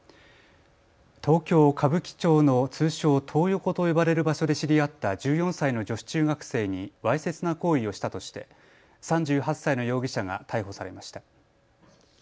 東京歌舞伎町の通称、トー横と呼ばれる場所で知り合った１４歳の女子中学生にわいせつな行為をしたとして３８歳の容疑者が逮捕されました。